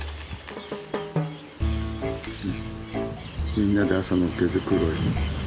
みんなで朝の毛繕い。